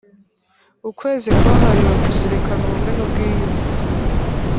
ukwezi kwahariwe kuzirikana ubumwe n ubwiyunge